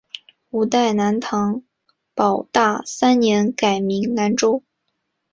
五代南唐保大三年改名南州。